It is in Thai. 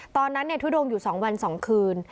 ตอนนั้นทุดงอยู่๒วัน๒คืน